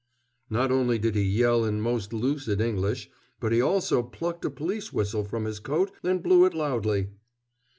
Not only did he yell in most lucid English, but he also plucked a police whistle from his coat and blew it loudly.